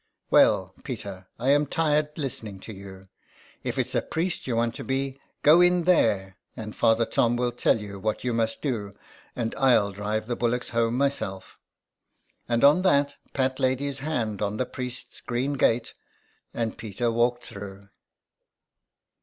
*' Well, Peter, I am tired listening to you. If it's a priest you want to be, go in there, and Father Tom will tell you what you must do, and Pll drive the bullocks home myself" And on that Pat laid his hand on the priest's green gate, and Peter walked through.